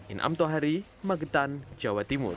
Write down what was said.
inam tohari magetan jawa timur